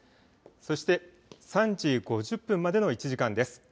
そして３時５０分までの１時間です。